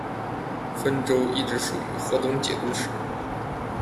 汾州一直属于河东节度使。